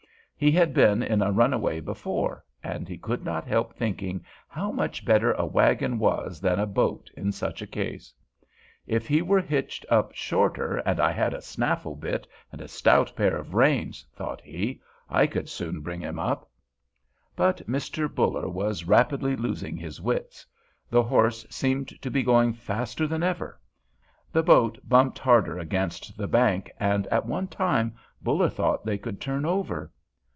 He had been in a runaway before, and he could not help thinking how much better a wagon was than a boat in such a case. "If he were hitched up shorter and I had a snaffle bit and a stout pair of reins," thought he, "I could soon bring him up." But Mr. Buller was rapidly losing his wits. The horse seemed to be going faster than ever. The boat bumped harder against the bank, and at one time Buller thought they could turn over.